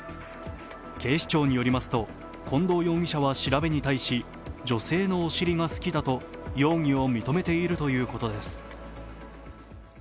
警視庁によりますと、近藤容疑者は調べに対し女性のお尻が好きだと容疑を認めているということです。